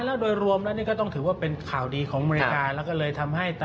หลายขั้นตอนหลายขั้นตอนมากมาย